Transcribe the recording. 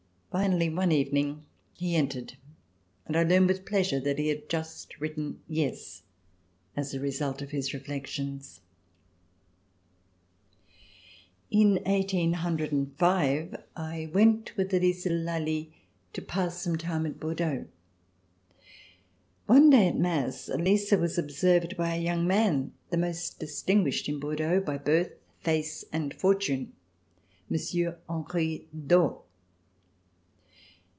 Finally one evening he entered and I learned with pleasure that he had just written "yes" as a result of his reflections. In 1805, I went with Elisa de Lally to pass some time at Bordeaux. One day at mass Elisa was ob served by a young man, the most distinguished in Bordeaux, by birth, face and fortune: Monsieur Henri d'Aux.